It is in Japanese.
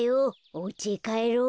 おうちへかえろう。